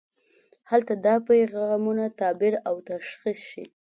هلته دا پیغامونه تعبیر او تشخیص شي.